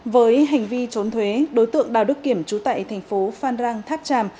với hành vi trốn thuế đối tượng đào đức kiểm trú tại thành phố phan rang tháp tràm